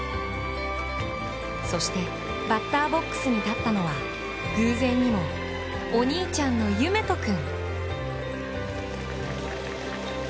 そして、バッターボックスに立ったのは、偶然にもお兄ちゃんの夢翔君。